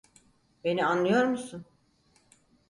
Beni anlıyor musun?